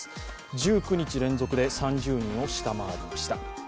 １９日連続で３０人を下回りました。